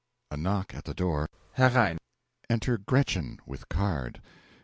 (A knock at the door.) Herein! Enter GRETCHEN with card.